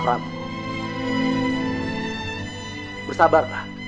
tidak akan berhasil berjaya